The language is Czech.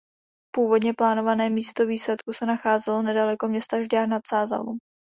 Původně plánované místo výsadku se nacházelo nedaleko města Žďár nad Sázavou.